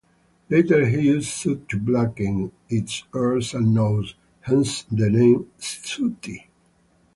Later he used soot to blacken its ears and nose, hence the name "Sooty".